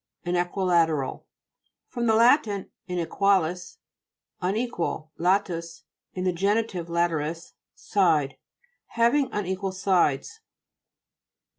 INEQJJILA'TERAL fr. lat. insequalis, unequal, lotus, (in the genitive, lateris,} side. Having unequal sides.